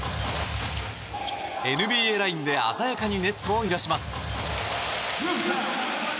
ＮＢＡラインで鮮やかにネットを揺らします。